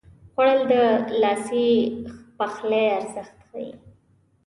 خوړل د لاسي پخلي ارزښت ښيي